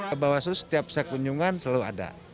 kebawah selu setiap saya kunjungan selalu ada